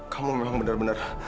kamu memang benar benar